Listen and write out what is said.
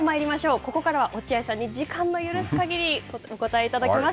ここからは、落合さんに時間の許す限りお答えいただきます。